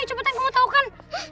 cepetan kamu tau kan